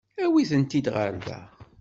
Awit-tent-id ɣer da.